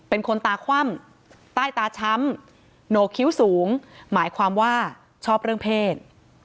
เป็นคนตาคว่ำใต้ตาช้ำโหนกคิ้วสูงหมายความว่าชอบเรื่องเพศ